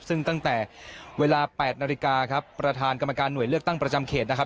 ซึ่งตั้งแต่เวลา๘นาฬิกาครับประธานกรรมการหน่วยเลือกตั้งประจำเขตนะครับ